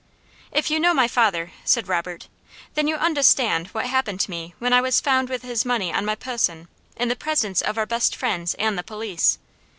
"If you know my father," said Robert, "then you undehstand what happened to me when I was found with his money on my pehson, in the presence of our best friends and the police.